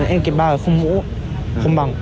em kể ba là không mũ không bằng